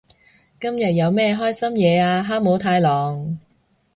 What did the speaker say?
今日有咩開心嘢啊哈姆太郎？